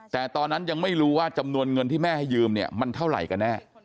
แต่ตอนนั้นยังไม่รู้ว่าจำนวนเงินที่แม่ให้ยืมเนี่ยมันเท่าไหร่กันแน่